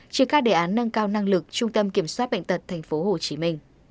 triển khai đề án nâng cao năng lực trung tâm kiểm soát bệnh tật tp hcm